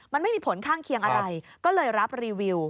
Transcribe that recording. มันไม่มีผลข้างเคียงอะไรก็เลยรับรีวิว